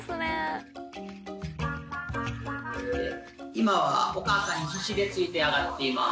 今はお母さんに必死でついて上がっています。